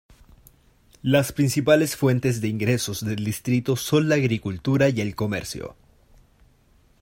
Las principales fuentes de ingresos del distrito son la agricultura y el comercio.